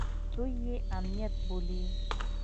دوى يې امنيت بولي.